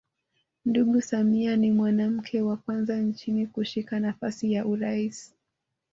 Ndugu Samia ni mwanamke wa kwanza nchini kushika nafasi ya urais